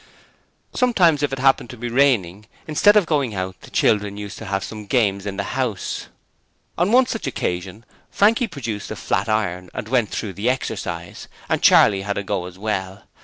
Sometimes, if it happened to be raining, instead of going out the children used to have some games in the house. On one such occasion Frankie produced the flat iron and went through the exercise, and Charley had a go as well.